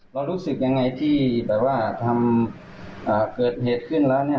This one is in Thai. รู้สึกยังไงที่แบบว่าทำเกิดเหตุขึ้นแล้วเนี่ย